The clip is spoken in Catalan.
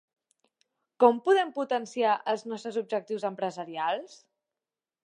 Com podem potenciar els nostres objectius empresarials?